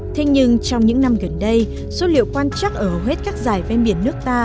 thế nhưng trong những năm gần đây số liệu quan trắc ở hầu hết các dài ven biển nước ta